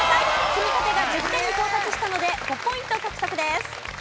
積み立てが１０点に到達したので５ポイント獲得です。